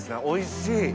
おいしい！